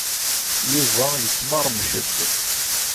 Yuba yesmeṛmec-d.